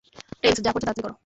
Tales, যা করছ, তাড়াতাড়ি করো।